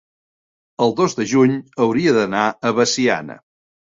el dos de juny hauria d'anar a Veciana.